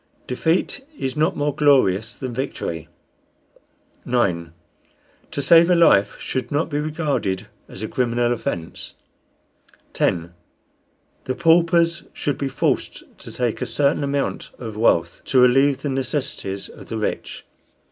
Defeat is not more glorious than victory. 9. To save a life should not be regarded as a criminal offence. 10. The paupers should be forced to take a certain amount of wealth, to relieve the necessities of the rich.